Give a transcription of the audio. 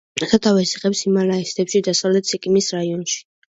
სათავეს იღებს ჰიმალაის მთებში, დასავლეთ სიკიმის რაიონში.